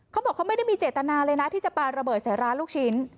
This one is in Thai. เขาบอกเขาไม่ได้มีเจตนาเลยนะที่จะปาระเบิดใส่ร้านลูกชิ้น